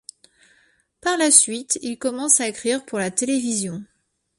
Par la suite, il commence à écrire pour la télévision.